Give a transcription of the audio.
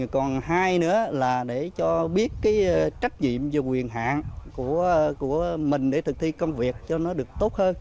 còn hai nữa là để cho biết cái trách nhiệm và quyền hạn của mình để thực thi công việc cho nó được tốt hơn